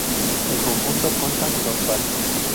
El conjunto consta de dos partes.